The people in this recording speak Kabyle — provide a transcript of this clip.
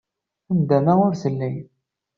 Nndama ur telli.